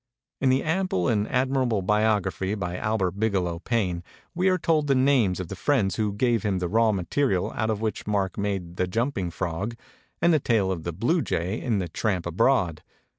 In the ample and admirable biography by Albert Bigelow Paine we are told the names of the friends who gave him the raw material out of which Mark made the 'Jumping Frog* and the tale of the ' Blue Jay ' in the ' Tramp Abroad.